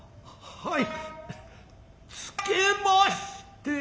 はい。